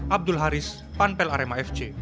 abdul haris panpel arema fc